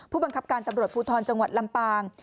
ผู้บังคับการตำรวจภูทรจังหวัดลำปาง